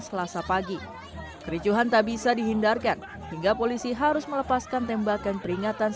selasa pagi kericuhan tak bisa dihindarkan hingga polisi harus melepaskan tembakan peringatan